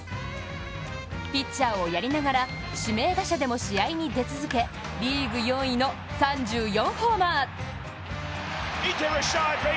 ピッチャーをやりながら指名打者でも試合に出続けリーグ４位の３４ホーマー。